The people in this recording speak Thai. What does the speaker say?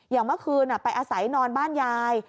อย่างเมื่อคืนไปอาศัยนอนบ้านยาย